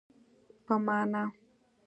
په ما نه.